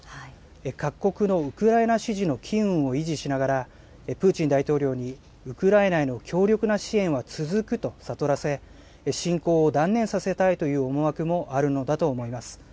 各国のウクライナ支持の機運を維持しながら、プーチン大統領に、ウクライナへの強力な支援は続くと悟らせ、侵攻を断念させたいという思惑もあるのだと思います。